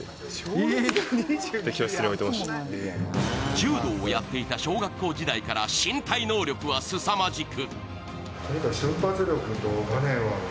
柔道をやっていた小学校時代から身体能力はすさまじく